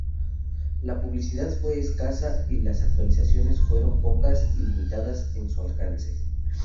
La publicidad fue escasa y las actualizaciones fueron pocas y limitadas en su alcance.